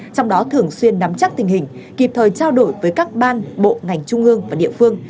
trong đó thường xuyên nắm chắc tình hình kịp thời trao đổi với các ban bộ ngành trung ương và địa phương